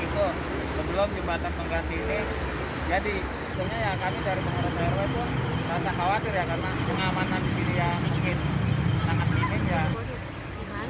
sebelum jembatan pengganti ini jadi kita dari pengurus rw rasa khawatir karena pengamanan di sini mungkin sangat minim